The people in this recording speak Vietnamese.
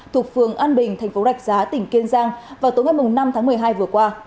thuộc phường an bình thành phố rạch giá tỉnh kiên giang vào tối ngày năm tháng một mươi hai vừa qua